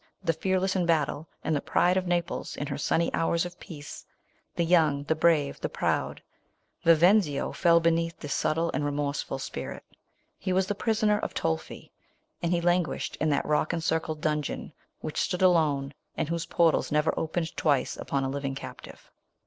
the fearless in battle", and the pride of Naples in her sunny hours of peace— the young, the brave, the proud, Viven/io fell beneath this subtle and remorseless spirit, lie was the prisouer of Tolu, and he languished in that rock encirded d inn eon, which stood alone, and vHie portals never opened twice upon a living captive.